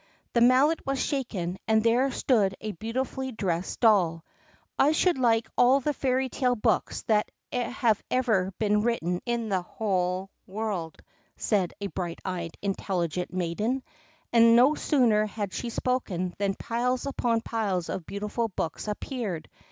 The Mallet was shaken, and there stood a beautifully dressed doll. "I should like all the fairy tale books that have ever been written in the whole world," said a bright eyed intelligent maiden, and no sooner had she spoken than piles upon piles of beautiful books appeared.